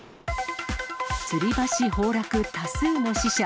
つり橋崩落、多数の死者。